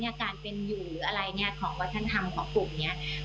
จริงแล้วการเป็นอยู่อะไรของวัฒนธรรมของกลุ่มนี้